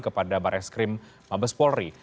kepada barres krim mabes polri